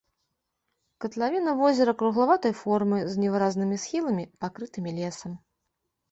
Катлавіна возера круглаватай формы з невыразнымі схіламі, пакрытымі лесам.